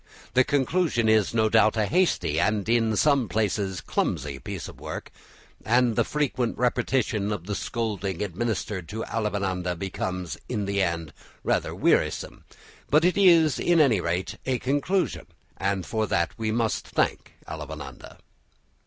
The conclusion is no doubt a hasty and in some places clumsy piece of work and the frequent repetition of the scolding administered to Avellaneda becomes in the end rather wearisome; but it is, at any rate, a conclusion and for that we must thank Avellaneda.